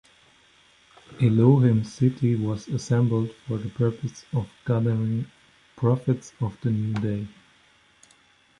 Elohim City was assembled for the purpose of gathering "prophets of the New Day".